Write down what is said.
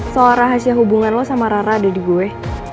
soal rahasia hubungan lo sama rara ada di gue